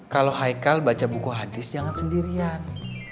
kalau haikal baca buku hadis jangan sendirian